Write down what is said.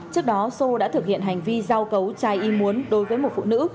trước đó sô đã thực hiện hành vi giao cấu chai y muốn đối với một phụ nữ